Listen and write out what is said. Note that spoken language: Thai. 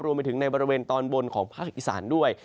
รวมไปถึงในบริเวณตอนบนของภาคอีสานด้วย